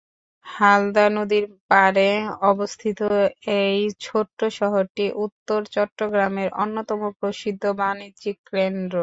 হালদা নদীর পাড়ে অবস্থিত এই ছোট্ট শহরটি উত্তর চট্টগ্রামের অন্যতম প্রসিদ্ধ বাণিজ্যিক কেন্দ্র।